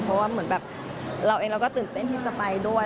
เพราะว่าเหมือนแบบเราเองเราก็ตื่นเต้นที่จะไปด้วย